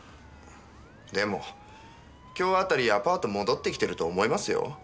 でも今日あたりアパート戻ってきてると思いますよ。